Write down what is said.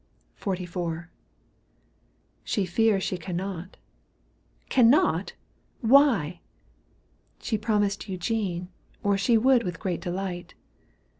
XLIV. ; She fears she cannot — Cannot ? Why ?— She promised Eugene, or she would With great delight.